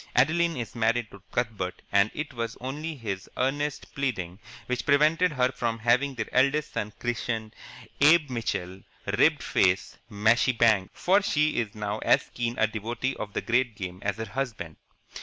Adeline is married to Cuthbert, and it was only his earnest pleading which prevented her from having their eldest son christened Abe Mitchell Ribbed Faced Mashie Banks, for she is now as keen a devotee of the great game as her husband.